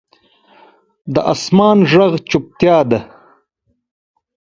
د اسمان ږغ چوپتیا ده.